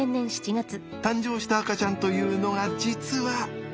誕生した赤ちゃんというのが実は。